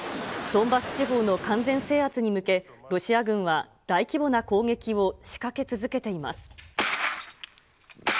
ドンバス地方の完全制圧に向け、ロシア軍は大規模な攻撃を仕掛け続けています。